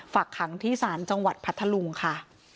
ฝากขังที่ศาลจังหวัดพัทธลุงค่ะ